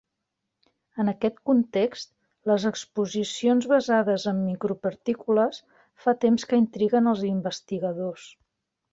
En aquest context, les exposicions basades en micropartícules fa temps que intriguen els investigadors.